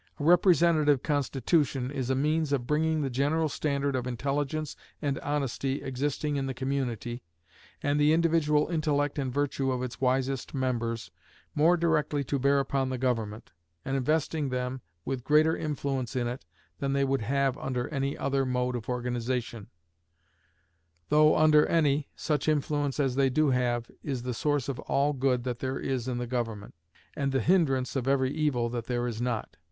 A representative constitution is a means of bringing the general standard of intelligence and honesty existing in the community, and the individual intellect and virtue of its wisest members, more directly to bear upon the government, and investing them with greater influence in it than they would have under any other mode of organization; though, under any, such influence as they do have is the source of all good that there is in the government, and the hindrance of every evil that there is not.